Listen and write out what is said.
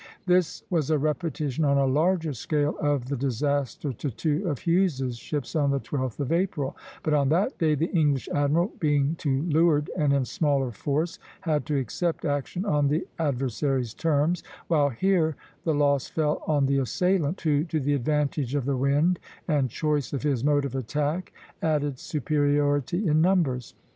This was a repetition on a larger scale of the disaster to two of Hughes's ships on the 12th of April; but on that day the English admiral, being to leeward and in smaller force had to accept action on the adversary's terms, while here the loss fell on the assailant, who, to the advantage of the wind and choice of his mode of attack, added superiority in numbers.